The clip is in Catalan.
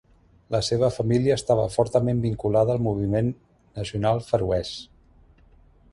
La seva família estava fortament vinculada al moviment nacional feroès.